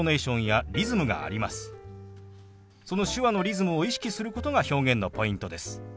その手話のリズムを意識することが表現のポイントです。